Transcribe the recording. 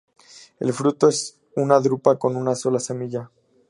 El fruto es una drupa con una sola semilla.